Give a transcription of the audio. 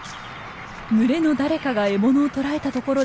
群れの誰かが獲物を捕らえたところで狩りは終了。